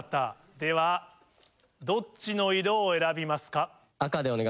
ではどっちの色を選びますか？